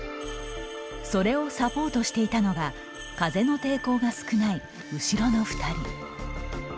それをサポートしていたのが風の抵抗が少ない後ろの２人。